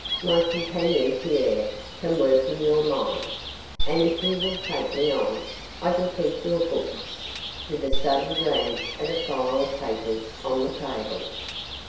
My companion Pierre can work in your mine, and if you will take me on I can keep your books' with a sudden glance at a file of papers on the table.